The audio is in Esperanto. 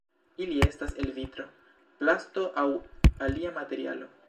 Ili estas el vitro, plasto, aŭ alia materio.